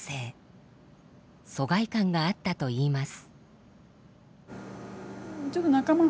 疎外感があったといいます。